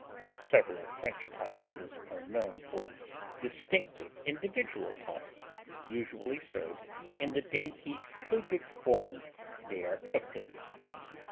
Several French provinces are known for distinctive individual Puffs usually served in the dainty fluted forms they are cooked in.